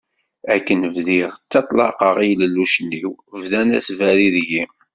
Akken bdiɣ ttaḍlaqeɣ i yilellucen-iw bdan asberri deg-i.